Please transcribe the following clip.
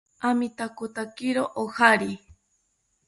Amitakotakiro ojari